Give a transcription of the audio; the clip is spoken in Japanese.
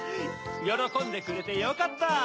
よろこんでくれてよかった！